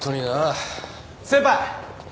先輩！